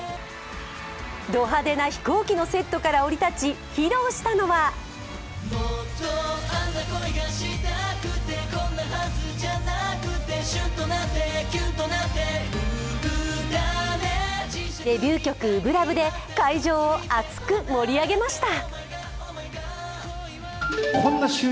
ド派手な飛行機のセットから降り立ち披露したのはデビュー曲「初心ＬＯＶＥ」で会場を熱く盛り上げました。